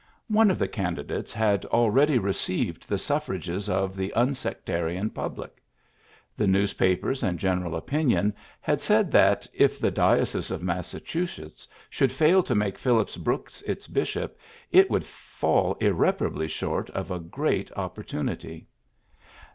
One of the candi dates had already received the suffrages of the unsectarian public. The newspapers and general opinion had said that, if the diocese of Massachusetts should fail to make Phillips Brooks its bishop, it would fall irreparably short of a great opportu nity.